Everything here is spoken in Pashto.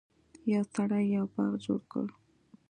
یو سړي یو باغ جوړ کړ.